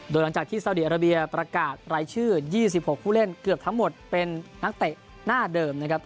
โดยหลังจากที่สาวดีอาราเบียประกาศรายชื่อ๒๖ผู้เล่นเกือบทั้งหมดเป็นนักเตะหน้าเดิมนะครับ